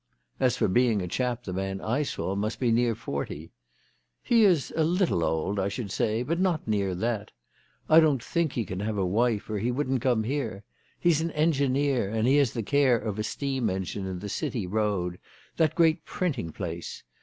"As for being a chap the man I saw must be near forty." " He is a little old I should say, but not near that. I don't think he can have a wife or he wouldn't come here. He's an engineer, and he has the care of a steam engine in the City Eoad, that great printing place.